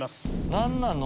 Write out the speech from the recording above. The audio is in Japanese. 何なの？